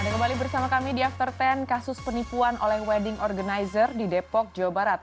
anda kembali bersama kami di after sepuluh kasus penipuan oleh wedding organizer di depok jawa barat